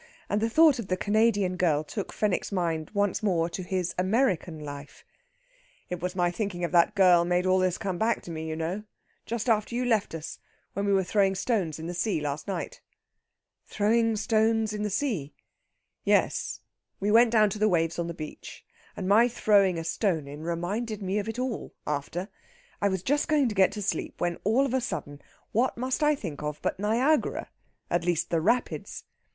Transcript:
And the thought of the Canadian girl took Fenwick's mind once more to his American life: "It was my thinking of that girl made all this come back to me, you know. Just after you left us, when we were throwing stones in the sea, last night...." "Throwing stones in the sea?..." "Yes we went down to the waves on the beach, and my throwing a stone in reminded me of it all, after. I was just going to get to sleep, when, all of a sudden, what must I think of but Niagara! at least, the rapids.